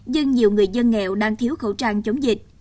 nhưng nhiều người dân nghèo đang thiếu khẩu trang chống dịch